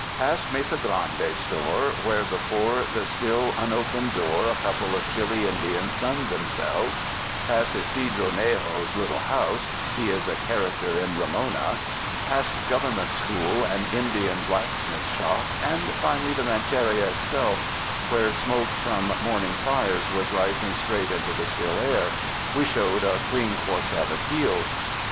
Past Mesa Grande store, where before the still un opened door a couple of chilly Indians sunned them selves; past Ysidro Nejo's little house — he is a character in "Ramona"; past Government School and Indian blacksmith shop, and finally the ranch eria itself, where smoke from morning fires was rising straight into the still air — we showed a clean quartette of heels.